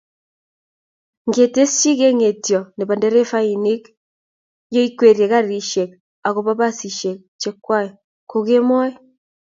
ngetesyi kengetyo nebo nderefainik yoikwerie karishek ago basishek chekwai ko kemoi